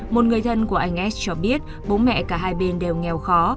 một người thân của anh ed cho biết bố mẹ cả hai bên đều nghèo khó